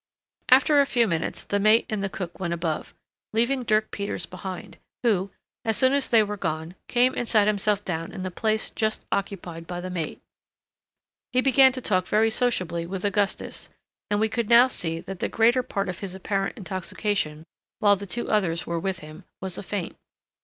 After a few minutes the mate and cook went above, leaving Dirk Peters behind, who, as soon as they were gone, came and sat himself down in the place just occupied by the mate. He began to talk very sociably with Augustus, and we could now see that the greater part of his apparent intoxication, while the two others were with him, was a feint.